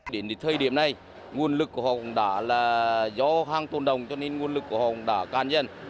đến thời điểm này nguồn lực của họ cũng đã là do hàng tồn đồng cho nên nguồn lực của họ cũng đã can dân